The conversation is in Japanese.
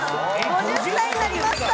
５０歳になりました。